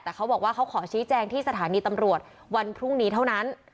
แต่เขาบอกว่าเขาขอชี้แจงที่สถานีตำรวจวันพรุ่งนี้เท่านั้น